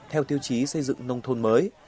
theo tiêu chí xây dựng nông thôn mới